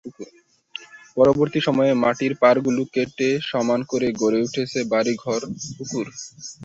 পরবর্তী সময়ে মাটির পাড়গুলো কেটে সমান করে গড়ে উঠেছে বাড়ি-ঘর, পুকুর।